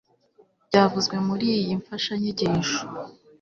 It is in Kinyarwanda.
byavuzwe muri iyi mfashanyigisho